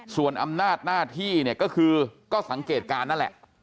ส่วนอำนาจหน้าที่เนี่ยก็คือก็สังเกตการณ์นั่นแหละ